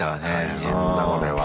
大変だこれは。